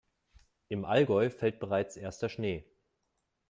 Im Allgäu fällt bereits erster Schnee.